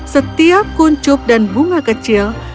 setiap kuncup dan bunga kecil